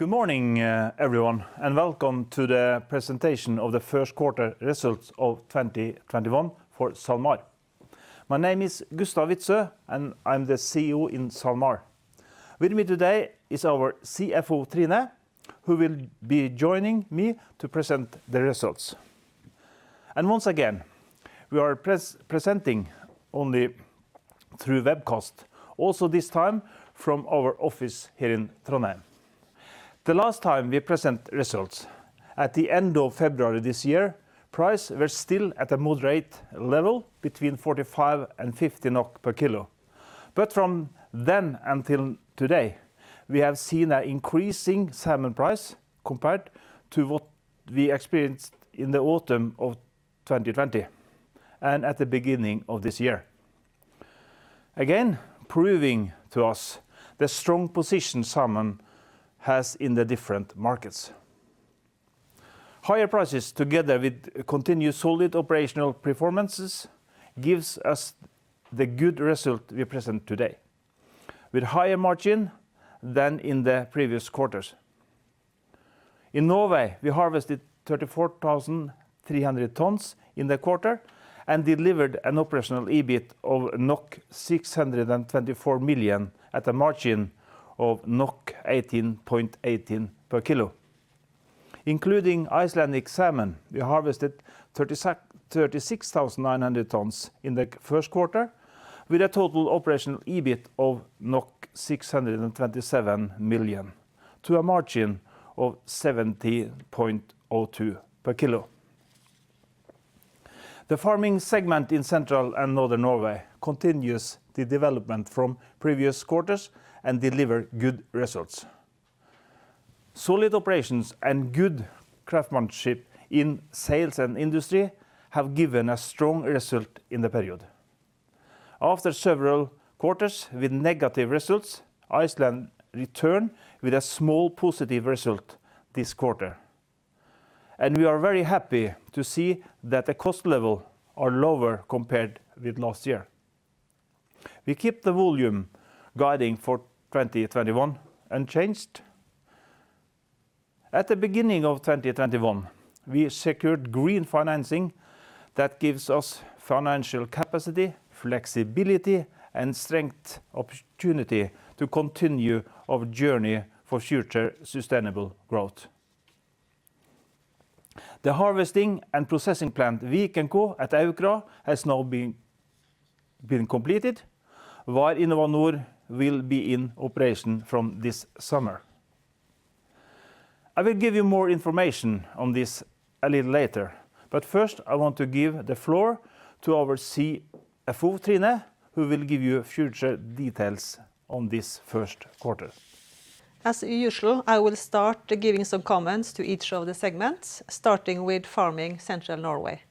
Good morning everyone, welcome to the presentation of the Q1 results of 2021 for SalMar. My name is Gustav Witzøe, I'm the CEO in SalMar. With me today is our CFO, Trine, who will be joining me to present the results. Once again, we are presenting only through webcast, also this time from our office here in Trondheim. The last time we present results at the end of February this year, price were still at a moderate level between 45 and 50 NOK per kilo. From then until today, we have seen an increasing salmon price compared to what we experienced in the autumn of 2020 and at the beginning of this year. Again, proving to us the strong position salmon has in the different markets. Higher prices, together with continued solid operational performances, gives us the good result we present today, with higher margin than in the previous quarters. In Norway, we harvested 34,300 tons in the quarter and delivered an operational EBIT of 624 million at a margin of 18.18 per kilo. Including Icelandic Salmon, we harvested 36,900 tons in the Q1, with a total operational EBIT of 627 million to a margin of 17.02 per kilo. The farming segment in Central and Northern Norway continues the development from previous quarters and deliver good results. Solid operations and good craftsmanship in sales and industry have given a strong result in the period. After several quarters with negative results, Iceland return with a small positive result this quarter, and we are very happy to see that the cost level are lower compared with last year. We keep the volume guiding for 2021 unchanged. At the beginning of 2021, we secured green financing that gives us financial capacity, flexibility, and strength opportunity to continue our journey for future sustainable growth. The harvesting and processing plant Vikenco at Aukra has now been completed, where InnovaNor will be in operation from this summer. I will give you more information on this a little later, but first I want to give the floor to our CFO, Trine, who will give you future details on this Q1. As usual, I will start giving some comments to each of the segments, starting with farming Central Norway.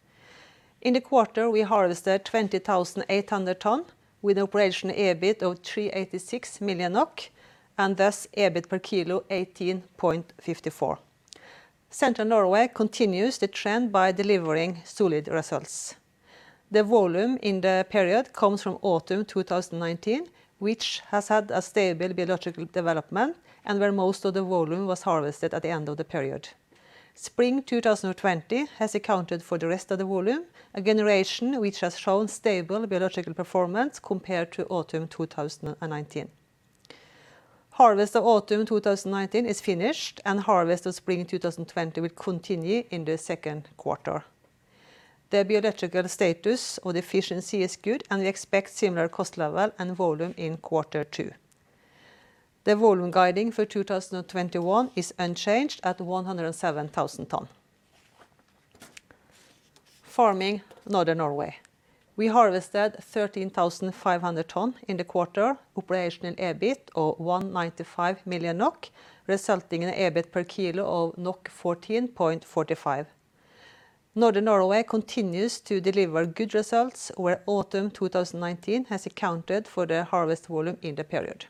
In the quarter, we harvested 20,800 ton with operational EBIT of 386 million NOK and thus EBIT per kilo 18.54. Central Norway continues the trend by delivering solid results. The volume in the period comes from autumn 2019, which has had a stable biological development and where most of the volume was harvested at the end of the period. Spring 2020 has accounted for the rest of the volume, a generation which has shown stable biological performance compared to autumn 2019. Harvest of autumn 2019 is finished. Harvest of spring 2020 will continue in the Q2. The biological status of the fish in sea is good. We expect similar cost level and volume in Q2. The volume guiding for 2021 is unchanged at 107,000 ton. Farming Northern Norway. We harvested 13,500 tons in the quarter, operational EBIT of 195 million NOK, resulting in EBIT per kilo of 14.45. Northern Norway continues to deliver good results where autumn 2019 has accounted for the harvest volume in the period.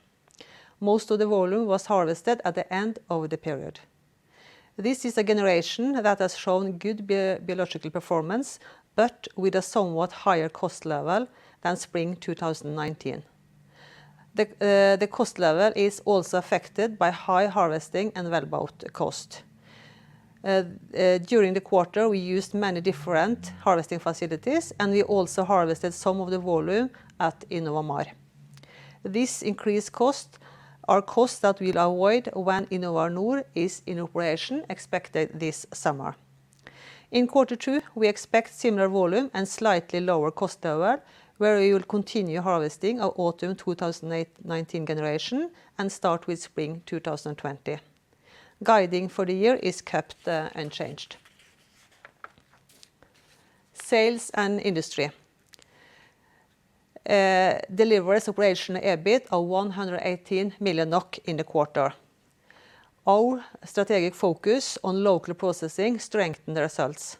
Most of the volume was harvested at the end of the period. This is a generation that has shown good biological performance but with a somewhat higher cost level than spring 2019. The cost level is also affected by high harvesting and wellboat cost. During the quarter, we used many different harvesting facilities, and we also harvested some of the volume at InnovaMar. This increased cost are costs that we'll avoid when InnovaNor is in operation, expected this summer. In Q2, we expect similar volume and slightly lower cost level, where we will continue harvesting of autumn 2019 generation and start with spring 2020. Guiding for the year is kept unchanged. Sales and industry delivers operational EBIT of 118 million NOK in the quarter. Our strategic focus on local processing strengthened the results.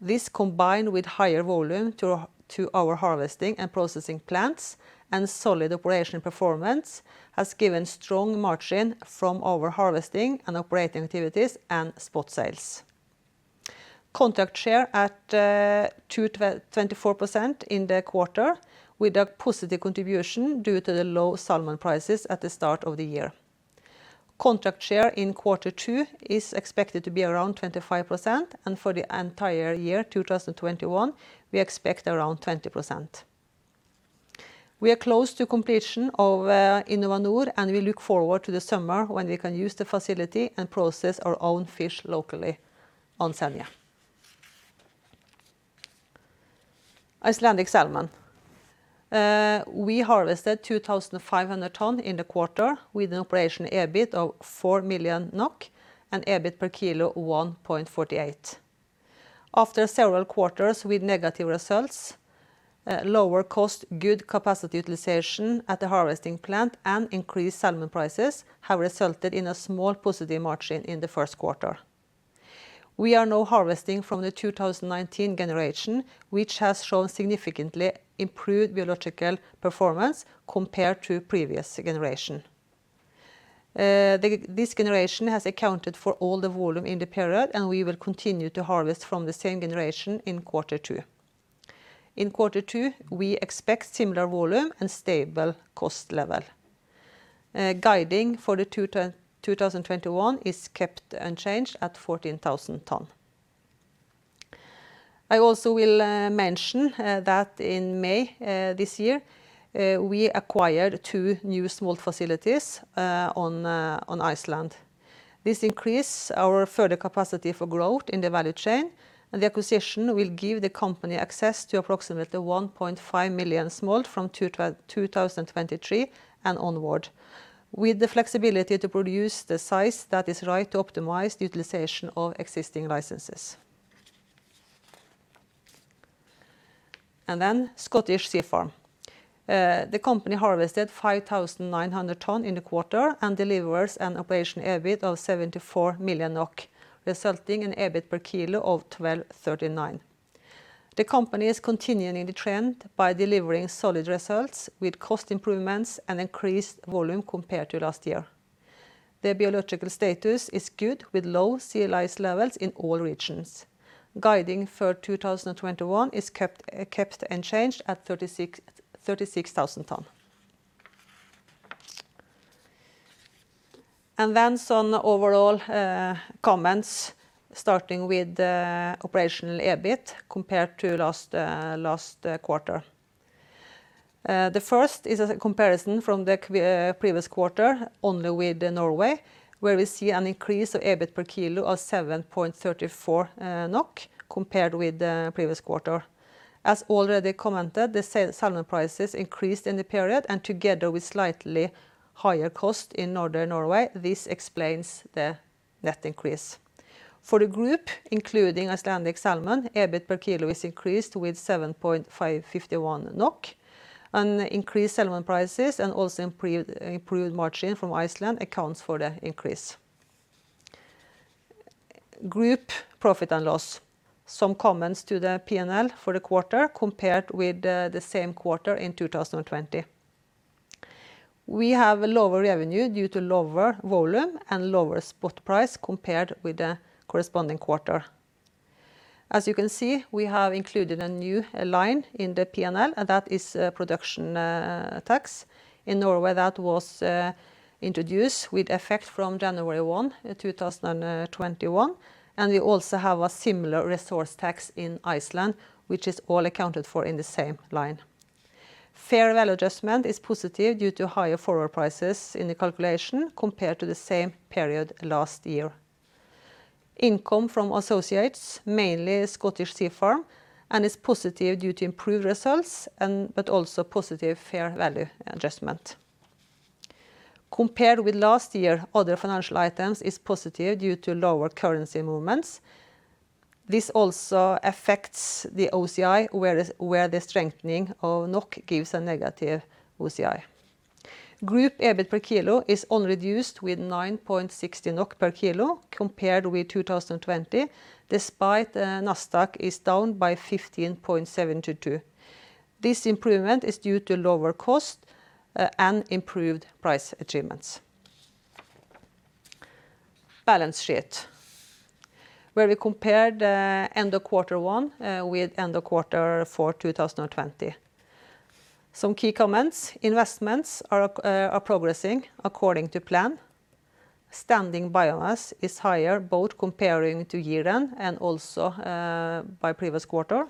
This, combined with higher volume to our harvesting and processing plants and solid operational performance, has given strong margin from our harvesting and operating activities and spot sales. Contract share at 24% in the quarter with a positive contribution due to the low salmon prices at the start of the year. Contract share in Q2 is expected to be around 25%, and for the entire year 2021, we expect around 20%. We are close to completion of InnovaNor, and we look forward to the summer when we can use the facility and process our own fish locally on Senja. Icelandic Salmon. We harvested 2,500 ton in the quarter with an operational EBIT of 4 million NOK and EBIT per kilo, 1.48. After several quarters with negative results, lower cost, good capacity utilization at the harvesting plant and increased salmon prices have resulted in a small positive margin in the Q1. We are now harvesting from the 2019 generation, which has shown significantly improved biological performance compared to previous generation. This generation has accounted for all the volume in the period, and we will continue to harvest from the same generation in Q2. In Q2, we expect similar volume and stable cost level. Guiding for the 2021 is kept unchanged at 14,000 tons. I also will mention that in May this year, we acquired two new small facilities on Iceland. This increase our further capacity for growth in the value chain. The acquisition will give the company access to approximately 1.5 million smolt from 2023 and onward, with the flexibility to produce the size that is right to optimize utilization of existing licenses. Scottish Sea Farms. The company harvested 5,900 tons in the quarter and delivers an operational EBIT of 74 million NOK, resulting in EBIT per kilo of 12.39. The company is continuing the trend by delivering solid results with cost improvements and increased volume compared to last year. The biological status is good with low sea lice levels in all regions. Guiding for 2021 is kept unchanged at 36,000 tons. Some overall comments starting with the operational EBIT compared to last quarter. The first is a comparison from the previous quarter only with Norway, where we see an increase of EBIT per kilo of 7.34 NOK compared with the previous quarter. As already commented, the salmon prices increased in the period and together with slightly higher cost in Northern Norway, this explains the net increase. For the group, including Icelandic Salmon, EBIT per kilo is increased with 7.51 NOK and increased salmon prices and also improved margin from Iceland accounts for the increase. Group profit and loss. Some comments to the P&L for the quarter compared with the same quarter in 2020. We have a lower revenue due to lower volume and lower spot price compared with the corresponding quarter. As you can see, we have included a new line in the P&L. That is production tax. In Norway, that was introduced with effect from January 1st, 2021, and we also have a similar resource tax in Iceland, which is all accounted for in the same line. Fair value adjustment is positive due to higher forward prices in the calculation compared to the same period last year. Income from associates, mainly Scottish Sea Farms, is positive due to improved results but also positive fair value adjustment. Compared with last year, other financial items is positive due to lower currency movements. This also affects the OCI, where the strengthening of NOK gives a negative OCI. Group EBIT per kilo is only reduced with 9.60 NOK per kilo compared with 2020, despite NASDAQ is down by 15.72. This improvement is due to lower cost and improved price achievements. Balance sheet, where we compare the end of Q1 with end of Q4 2020. Some key comments. Investments are progressing according to plan. Standing biomass is higher both comparing to year-end and also by previous quarter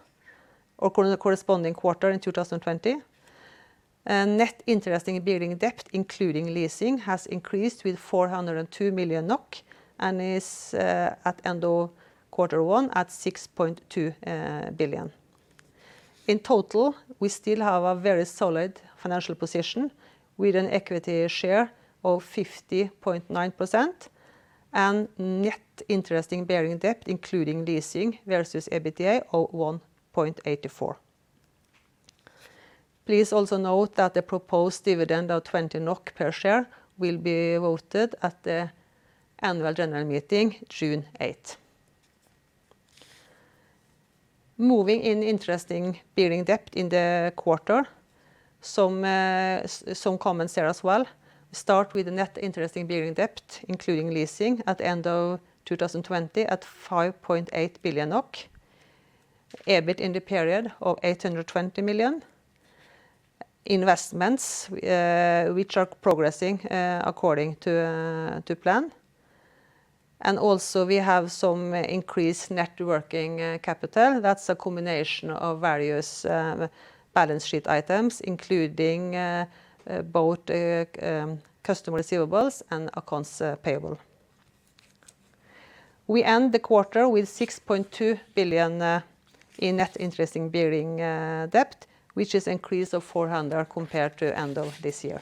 or corresponding quarter in 2020. Net interest-bearing debt, including leasing, has increased with 402 million NOK and is at end of Q1 at 6.2 billion. In total, we still have a very solid financial position with an equity share of 50.9% and net interest-bearing debt including leasing versus EBITDA of 1.84. Please also note that the proposed dividend of 20 NOK per share will be voted at the annual general meeting June 8th. Moving in net interest-bearing debt in the quarter. Some comments there as well. Start with the net interest-bearing debt, including leasing at end of 2020 at 5.8 billion NOK. EBIT in the period of 820 million. Investments, which are progressing according to plan. Also we have some increased net working capital. That's a combination of various balance sheet items, including both customer receivables and accounts payable. We end the quarter with 6.2 billion in net interest-bearing debt, which is increase of 400 million compared to end of this year.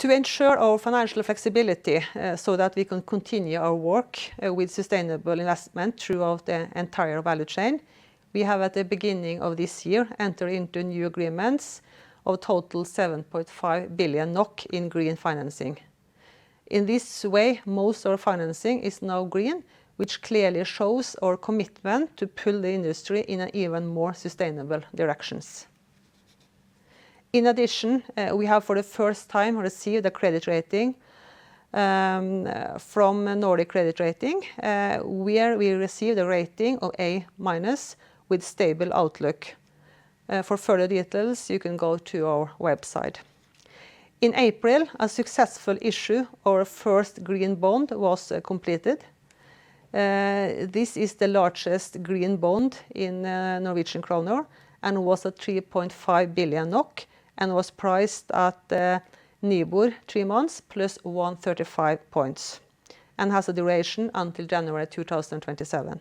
To ensure our financial flexibility so that we can continue our work with sustainable investment throughout the entire value chain, we have, at the beginning of this year, enter into new agreements of total 7.5 billion NOK in green financing. In this way, most of our financing is now green, which clearly shows our commitment to pull the industry in an even more sustainable direction. In addition, we have, for the first time, received a credit rating from Nordic Credit Rating, where we received a rating of A- with stable outlook. For further details, you can go to our website. In April, a successful issue, our first green bond was completed. This is the largest green bond in NOK and was a 3.5 billion NOK and was priced at the NIBOR three months plus 135 points and has a duration until January 2027.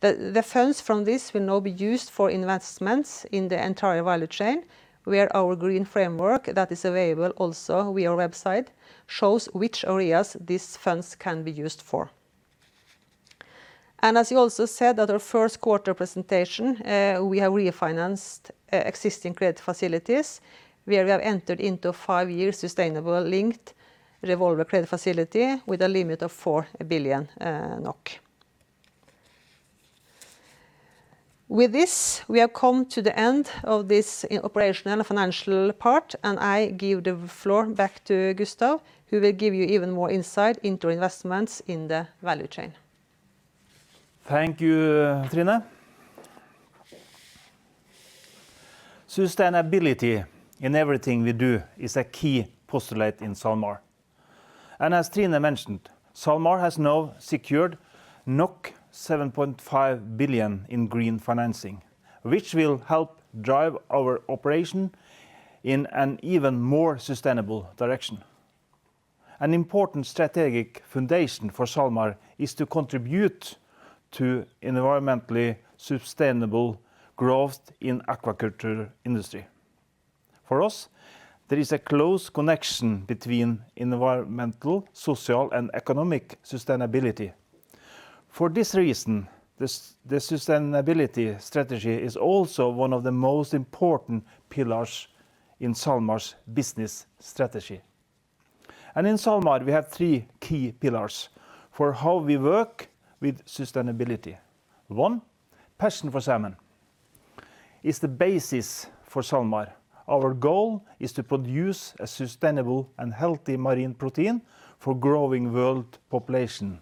The funds from this will now be used for investments in the entire value chain, where our green framework that is available also via our website shows which areas these funds can be used for. As you also said at our Q1 presentation, we have refinanced existing credit facilities where we have entered into five years sustainable linked revolver credit facility with a limit of 4 billion NOK. With this, we have come to the end of this operational and financial part, and I give the floor back to Gustav, who will give you even more insight into investments in the value chain. Thank you, Trine. Sustainability in everything we do is a key postulate in SalMar. As Trine mentioned, SalMar has now secured 7.5 billion in green financing, which will help drive our operation in an even more sustainable direction. An important strategic foundation for SalMar is to contribute to environmentally sustainable growth in aquaculture industry. For us, there is a close connection between environmental, social, and economic sustainability. For this reason, the sustainability strategy is also one of the most important pillars in SalMar's business strategy. In SalMar we have three key pillars for how we work with sustainability. One, passion for salmon is the basis for SalMar. Our goal is to produce a sustainable and healthy marine protein for growing world population,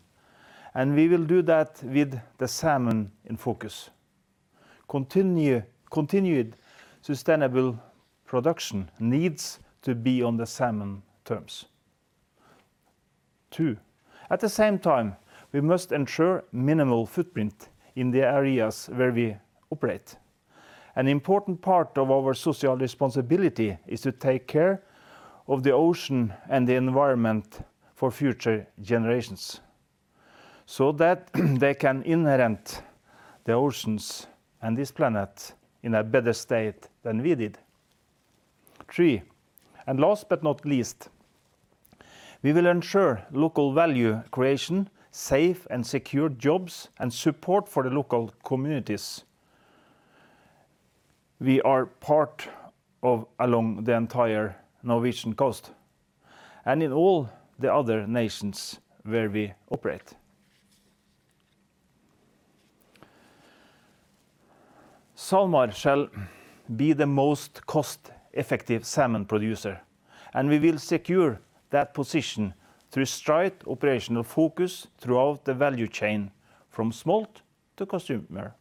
and we will do that with the salmon in focus. Continued sustainable production needs to be on the salmon terms. Two, at the same time, we must ensure minimal footprint in the areas where we operate. An important part of our social responsibility is to take care of the ocean and the environment for future generations so that they can inherit the oceans and this planet in a better state than we did. Three, and last but not least, we will ensure local value creation, safe and secure jobs, and support for the local communities we are part of along the entire Norwegian coast and in all the other nations where we operate. SalMar shall be the most cost-effective salmon producer, and we will secure that position through strict operational focus throughout the value chain from smolt to consumer.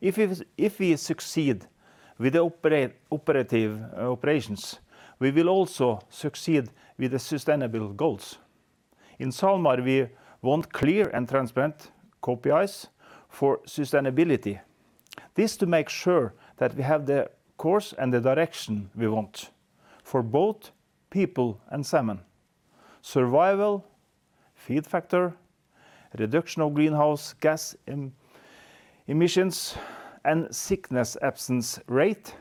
If we succeed with the operations, we will also succeed with the sustainable goals. In SalMar, we want clear and transparent KPIs for sustainability. This to make sure that we have the course and the direction we want for both people and salmon. Survival, feed factor, reduction of greenhouse gas emissions, and sickness absence rate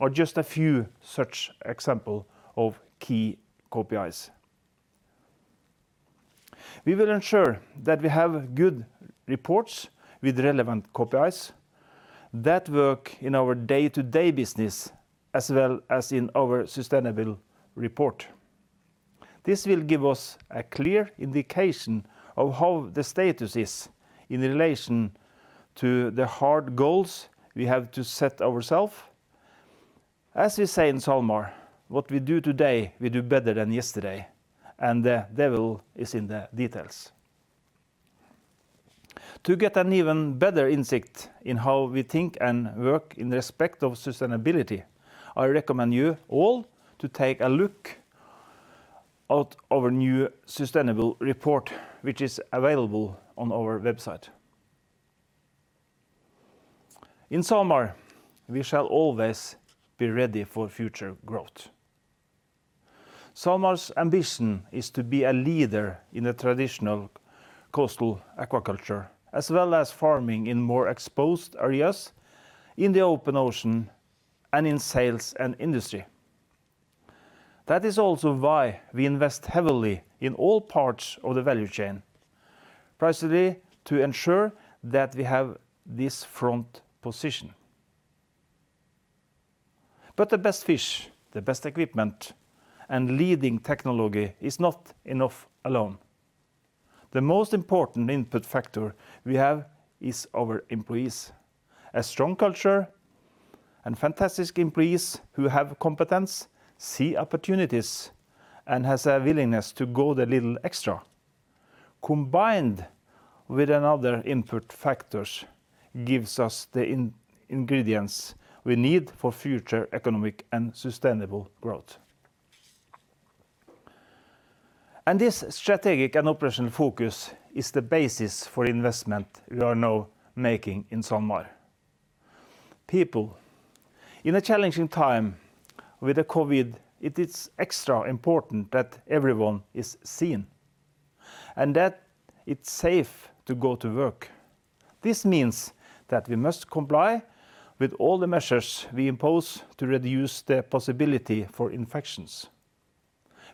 are just a few such example of key KPIs. We will ensure that we have good reports with relevant KPIs that work in our day-to-day business as well as in our sustainable report. This will give us a clear indication of how the status is in relation to the hard goals we have to set ourself. As we say in SalMar, what we do today, we do better than yesterday, and the devil is in the details. To get an even better insight in how we think and work in respect of sustainability, I recommend you all to take a look at our new sustainable report, which is available on our website. In SalMar, we shall always be ready for future growth. SalMar's ambition is to be a leader in the traditional coastal aquaculture, as well as farming in more exposed areas in the open ocean and in sales and industry. That is also why we invest heavily in all parts of the value chain, firstly to ensure that we have this front position. The best fish, the best equipment, and leading technology is not enough alone. The most important input factor we have is our employees. A strong culture and fantastic employees who have competence, see opportunities, and have a willingness to go the little extra, combined with another input factors, gives us the ingredients we need for future economic and sustainable growth. This strategic and operational focus is the basis for investment we are now making in SalMar. People. In a challenging time with COVID-19, it is extra important that everyone is seen and that it's safe to go to work. This means that we must comply with all the measures we impose to reduce the possibility for infections.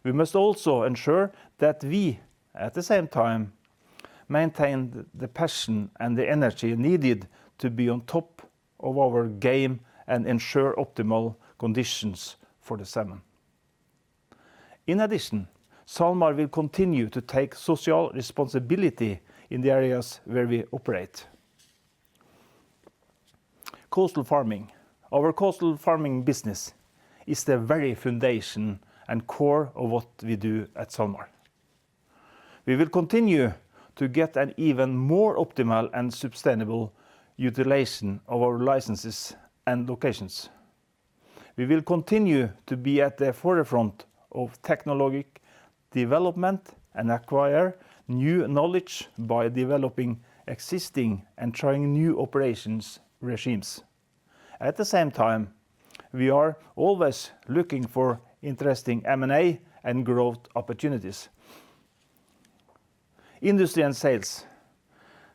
We must also ensure that we, at the same time, maintain the passion and the energy needed to be on top of our game and ensure optimal conditions for the salmon. In addition, SalMar will continue to take social responsibility in the areas where we operate. Coastal farming. Our coastal farming business is the very foundation and core of what we do at SalMar. We will continue to get an even more optimal and sustainable utilization of our licenses and locations. We will continue to be at the forefront of technological development and acquire new knowledge by developing existing and trying new operations regimes. At the same time, we are always looking for interesting M&A and growth opportunities. Industry and sales.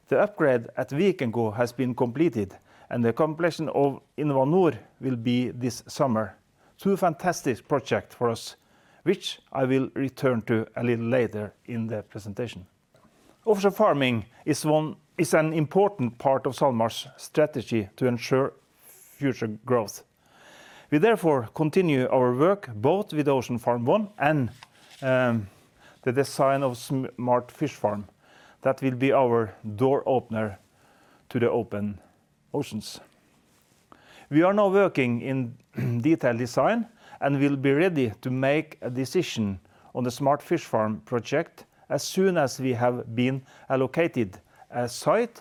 The upgrade at Vikenco has been completed, and the completion of InnovaNor will be this summer. Two fantastic project for us, which I will return to a little later in the presentation. Offshore farming is an important part of SalMar's strategy to ensure future growth. We therefore continue our work both with Ocean Farm 1 and the design of Smart Fish Farm. That will be our door opener to the open oceans. We are now working in detailed design and will be ready to make a decision on the Smart Fish Farm project as soon as we have been allocated a site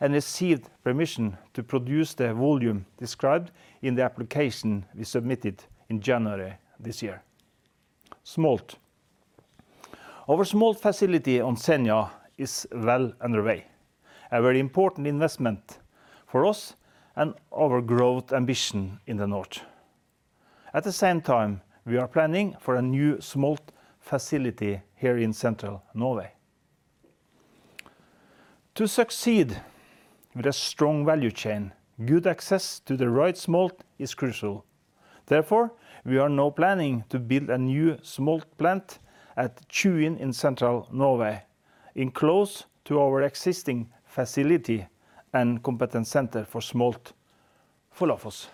and received permission to produce the volume described in the application we submitted in January this year. Smolt. Our smolt facility on Senja is well underway. A very important investment for us and our growth ambition in the north. At the same time, we are planning for a new smolt facility here in central Norway. To succeed with a strong value chain, good access to the right smolt is crucial. Therefore, we are now planning to build a new smolt plant at Tjuin in central Norway, in close to our existing facility and competence center for smolt, Follafoss.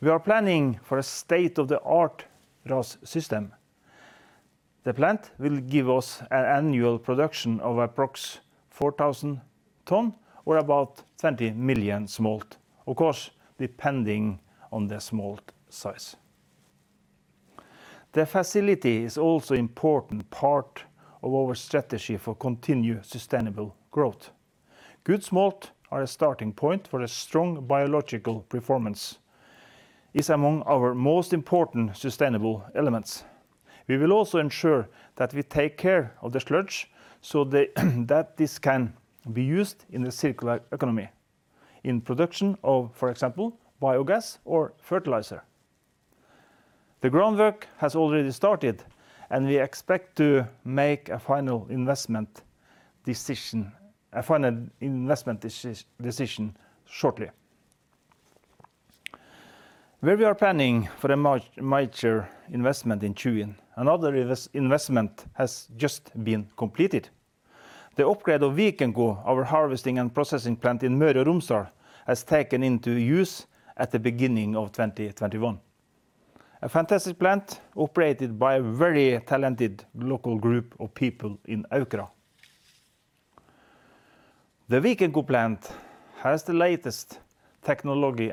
We are planning for a state-of-the-art RAS system. The plant will give us an annual production of approx 4,000 ton or about 20 million smolt, of course, depending on the smolt size. The facility is also important part of our strategy for continued sustainable growth. Good smolt are a starting point for a strong biological performance. It's among our most important sustainable elements. We will also ensure that we take care of the sludge so that this can be used in the circular economy in production of, for example, biogas or fertilizer. The groundwork has already started, and we expect to make a final investment decision shortly. Where we are planning for a major investment in Tjuin, another investment has just been completed. The upgrade of Vikenco, our harvesting and processing plant in Møre og Romsdal, has taken into use at the beginning of 2021. A fantastic plant operated by a very talented local group of people in Aukra. The Vikenco plant has the latest technology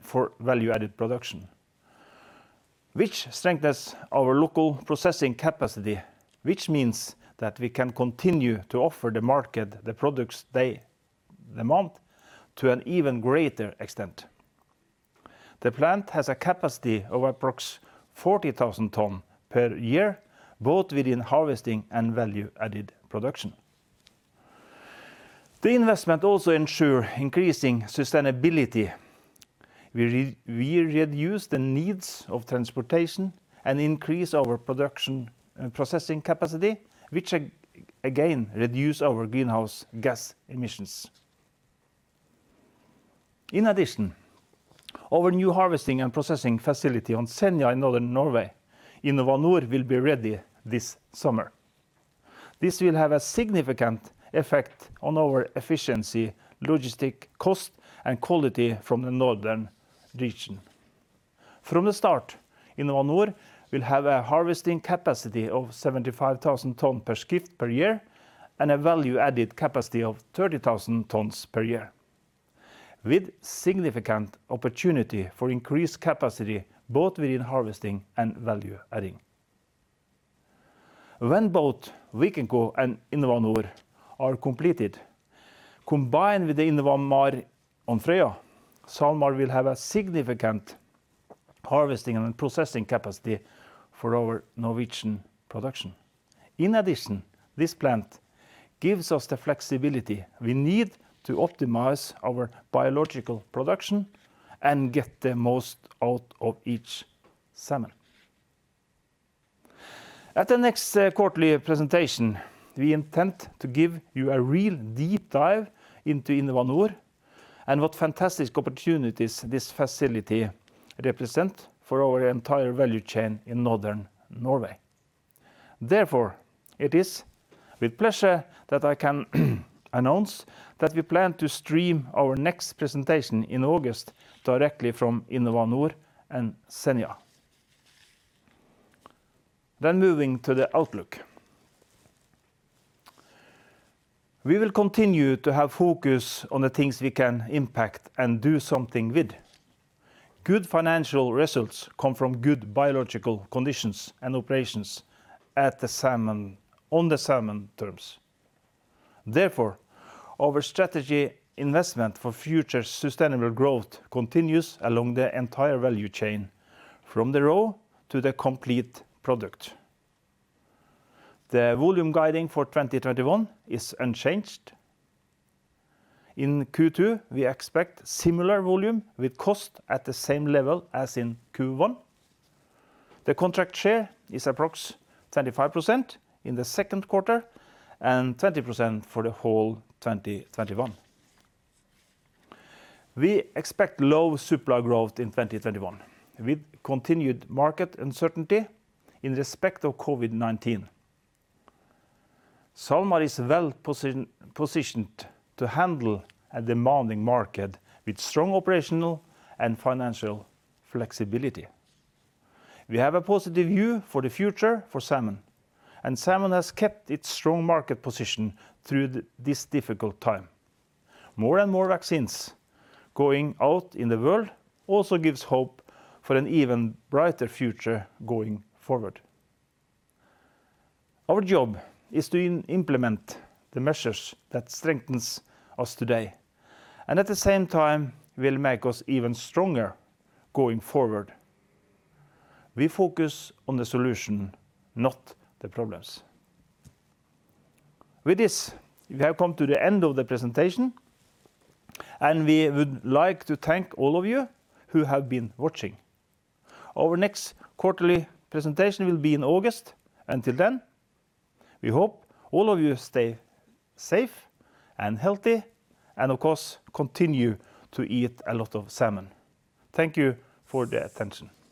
for value-added production, which strengthens our local processing capacity, which means that we can continue to offer the market the products they demand to an even greater extent. The plant has a capacity of approx. 40,000 ton per year, both within harvesting and value-added production. The investment also ensure increasing sustainability. We reduce the needs of transportation and increase our processing capacity, which again, reduce our greenhouse gas emissions. In addition, our new harvesting and processing facility on Senja in Northern Norway, InnovaNor, will be ready this summer. This will have a significant effect on our efficiency, logistic cost, and quality from the northern region. From the start, InnovaNor will have a harvesting capacity of 75,000 tons per shift per year and a value-added capacity of 30,000 tons per year, with significant opportunity for increased capacity, both within harvesting and value-adding. When both Vikenco and InnovaNor are completed, combined with the InnovaMar on Frøya, SalMar will have a significant harvesting and processing capacity for our Norwegian production. In addition, this plant gives us the flexibility we need to optimize our biological production and get the most out of each salmon. At the next quarterly presentation, we intend to give you a real deep dive into InnovaNor and what fantastic opportunities this facility represent for our entire value chain in Northern Norway. Therefore, it is with pleasure that I can announce that we plan to stream our next presentation in August directly from InnovaNor in Senja. Moving to the outlook. We will continue to have focus on the things we can impact and do something with. Good financial results come from good biological conditions and operations on the salmon terms. Therefore, our strategy investment for future sustainable growth continues along the entire value chain, from the raw to the complete product. The volume guiding for 2021 is unchanged. In Q2, we expect similar volume with cost at the same level as in Q1. The contract share is approx. 25% in the Q2 and 20% for the whole 2021. We expect low supply growth in 2021 with continued market uncertainty in respect of COVID-19. SalMar is well-positioned to handle a demanding market with strong operational and financial flexibility. We have a positive view for the future for salmon, and salmon has kept its strong market position through this difficult time. More and more vaccines going out in the world also gives hope for an even brighter future going forward. Our job is to implement the measures that strengthens us today and at the same time will make us even stronger going forward. We focus on the solution, not the problems. With this, we have come to the end of the presentation, and we would like to thank all of you who have been watching. Our next quarterly presentation will be in August. Until then, we hope all of you stay safe and healthy and, of course, continue to eat a lot of salmon. Thank you for the attention.